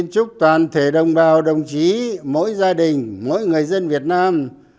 chúc toàn thể đồng bào đồng chí mỗi gia đình mỗi người dân việt nam